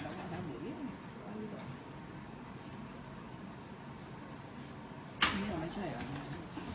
กลุ่มใหม่กับหมอกมือ